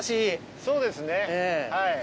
そうですねはい。